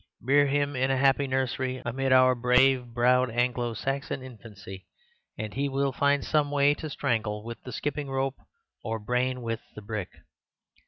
Rear him in a happy nursery, amid our brave browed Anglo Saxon infancy, and he will find some way to strangle with the skipping rope or brain with the brick.